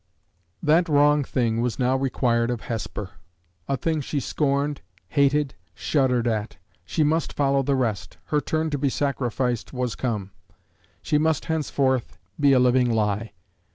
That wrong thing was now required of Hesper a thing she scorned, hated, shuddered at; she must follow the rest; her turn to be sacrificed was come; she must henceforth be a living lie.